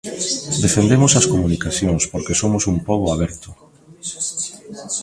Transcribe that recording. Defendemos as comunicacións porque somos un pobo aberto.